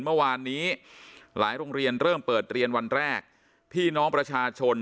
เมื่อวานนี้หลายโรงเรียนเริ่มเปิดเรียนวันแรกพี่น้องประชาชน